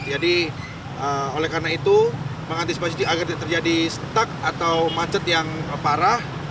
jadi oleh karena itu mengantisipasi agar tidak terjadi setak atau macet yang parah